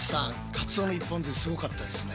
カツオの一本釣りすごかったですね。